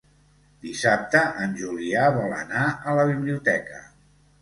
Dissabte en Julià vol anar a la biblioteca.